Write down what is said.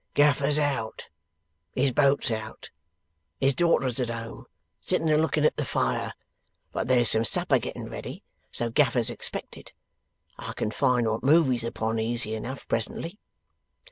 'Gaffer's out, and his boat's out. His daughter's at home, sitting a looking at the fire. But there's some supper getting ready, so Gaffer's expected. I can find what move he's upon, easy enough, presently.